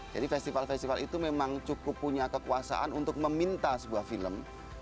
festival festival itu memang cukup punya kekuasaan untuk meminta sebuah film